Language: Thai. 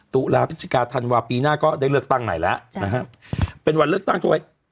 ตุลาพฤศจิกาธันวาปีหน้าก็ได้เลือกตั้งใหม่แล้วนะฮะเป็นวันเลือกตั้งทั่วไว้